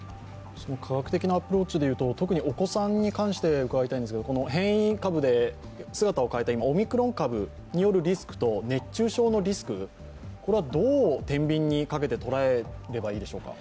科学的なアプローチでいうと、お子さんに関して伺いたいんですが、変異株で姿を変えた今、オミクロン株によるリスクと熱中症のリスク、これはどうてんびんにかけて、捉えればいいでしょうか。